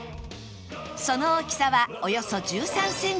その大きさはおよそ１３センチ